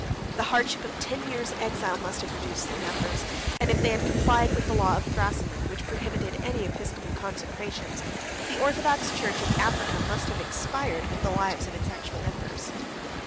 95 The hardships of ten years' exile must have reduced their numbers; and if they had complied with the law of Thrasimund, which prohibited any episcopal consecrations, the orthodox church of Africa must have expired with the lives of its actual members.